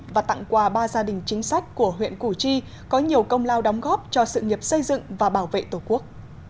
và tặng quà ba gia đình chính sách của huyện củ chi có nhiều công lao đóng góp cho sự nghiệp xây dựng và bảo vệ tổ quốc